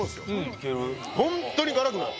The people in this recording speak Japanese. ホントに辛くない。